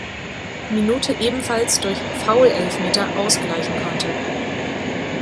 Minute ebenfalls durch Foulelfmeter ausgleichen konnte.